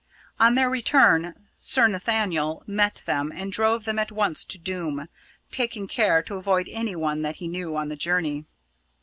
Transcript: On their return, Sir Nathaniel met them and drove them at once to Doom, taking care to avoid any one that he knew on the journey.